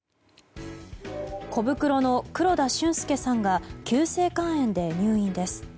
コブクロの黒田俊介さんが急性肝炎で入院です。